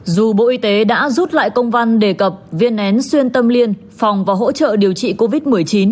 dù bộ y tế đã rút lại công văn đề cập viên én xuyên tâm liên phòng và hỗ trợ điều trị covid một mươi chín